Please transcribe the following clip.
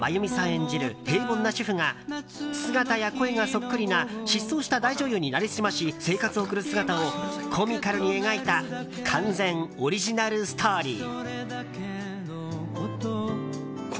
演じる平凡な主婦が姿や声がそっくりな失踪した大女優になりすまし生活を送る姿をコミカルに描いた完全オリジナルストーリー。